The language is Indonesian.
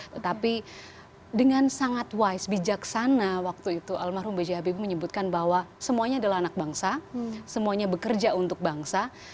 tetapi dengan sangat wise bijaksana waktu itu almarhum b j habibie menyebutkan bahwa semuanya adalah anak bangsa semuanya bekerja untuk bangsa